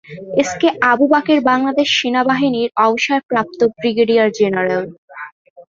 S K Abu Bakar Bangladesh সেনাবাহিনীর অবসরপ্রাপ্ত brigadier general.